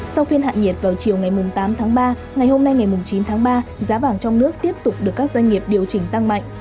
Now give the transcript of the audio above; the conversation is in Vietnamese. sau phiên hạ nhiệt vào chiều ngày tám tháng ba ngày hôm nay ngày chín tháng ba giá vàng trong nước tiếp tục được các doanh nghiệp điều chỉnh tăng mạnh